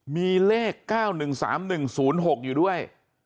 มีเลข๙๑๓๑๐๖อยู่ด้วย